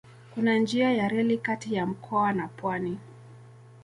Kuna njia ya reli kati ya mkoa na pwani.